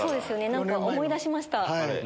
思い出しました。